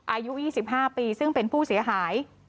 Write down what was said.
อายุ๒๕ปีซึ่งเป็นผู้เสียหาย